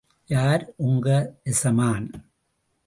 யார் உங்க எசமான்?